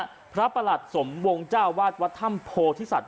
พระประหลัดสมวงเจ้าวาดวัดถ้ำโพธิสัตว